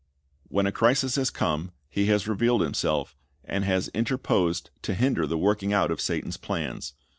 When a crisis has come. He has revealed Himself, and has interposed to hinder the working out of Satan's plans.